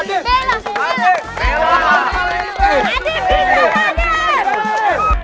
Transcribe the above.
adik bisa adik